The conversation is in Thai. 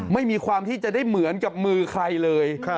ไม่มีความที่จะได้เหมือนกับมือใครเลย